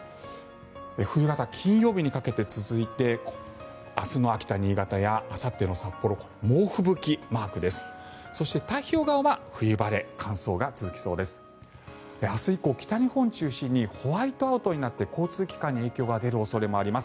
冬型、金曜日にかけて続いて明日の秋田、新潟やあさっての札幌猛吹雪マークです。